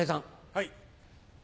はい。